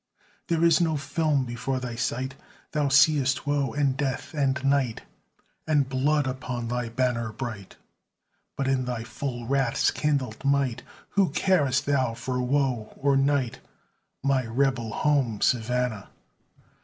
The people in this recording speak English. There is no film before thy sight, Thou seest woe and death and night, And blood upon thy banner bright; But in thy full wrath's kindled might What carest thou for woe or night? My rebel home, Savannah!